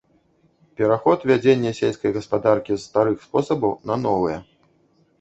Пераход вядзення сельскай гаспадаркі з старых спосабаў на новыя.